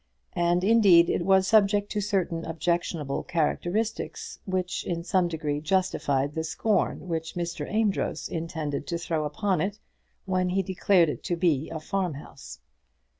And, indeed, it was subject to certain objectionable characteristics which in some degree justified the scorn which Mr. Amedroz intended to throw upon it when he declared it to be a farmhouse.